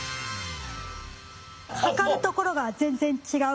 測るところが全然違う。